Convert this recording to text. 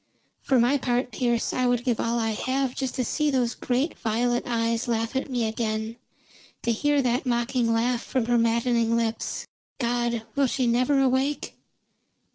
"For my part, Pearse, I would give all I have just to see those great violet eyes laugh at me again; to hear that mocking laugh from her maddening lips. God, will she never awake?"